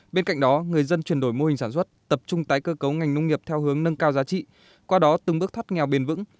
bên cạnh đó người dân chuyển đổi mô hình sản xuất tập trung tái cơ cấu ngành nông nghiệp theo hướng nâng cao giá trị qua đó từng bước thoát nghèo bền vững